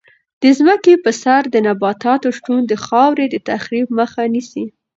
د ځمکې په سر د نباتاتو شتون د خاورې د تخریب مخه نیسي.